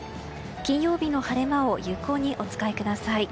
金曜日の晴れ間を有効にお使いください。